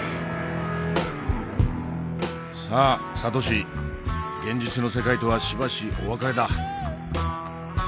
さあサトシ現実の世界とはしばしお別れだ。